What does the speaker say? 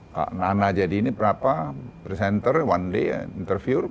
kak nana jadi ini berapa presenter one day interview